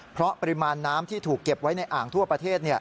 เพราะปริมาณน้ำที่ถูกเก็บไว้ในอ่างทั่วประเทศ